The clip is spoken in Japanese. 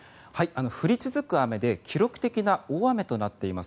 降り続く雨で記録的な大雨となっています。